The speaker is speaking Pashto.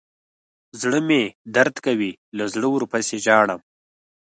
زړه مې درد کوي له زړه ورپسې ژاړم.